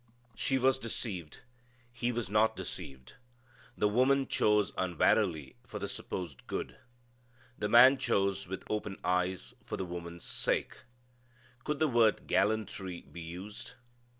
She was deceived. He was not deceived. The woman chose unwarily for the supposed good. The man chose with open eyes for the woman's sake. Could the word gallantry be used?